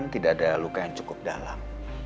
tidak ada luka yang cukup dalam